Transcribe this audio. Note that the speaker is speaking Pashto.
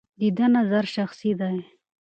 د ده نظر شخصي دی.